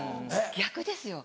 逆ですよ